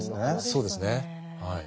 そうですねはい。